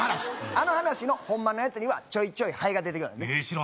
あの話のホンマのやつにはちょいちょいハエが出てくるえー